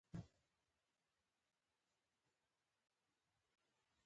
افغانستان تر هغو نه ابادیږي، ترڅو روغتونونه مو معیاري نشي.